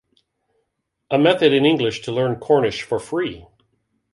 A method in English to learn Cornish for free.